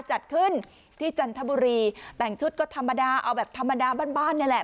จัดขึ้นที่จันทบุรีแต่งชุดก็ธรรมดาเอาแบบธรรมดาบ้านบ้านนี่แหละ